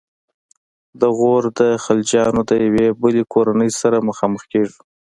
د غور د خلجیانو د یوې بلې کورنۍ سره مخامخ کیږو.